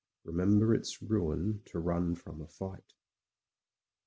Remember it's ruin to run from a fight."